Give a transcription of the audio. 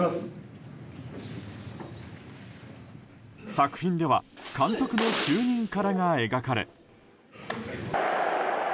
作品では監督の就任からが描かれ。